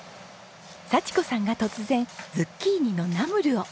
幸子さんが突然ズッキーニのナムルを。